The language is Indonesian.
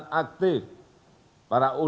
agar manusia dapat mendapatkan kemampuan